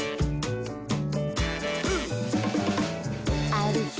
「あるひ